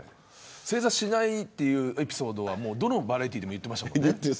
正座しないエピソードはどのバラエティーでも言ってましたよね。